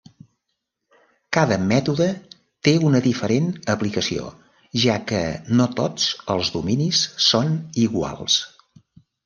Cada mètode té una diferent aplicació, ja que no tots els dominis són iguals.